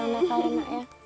jangan nakal nak ya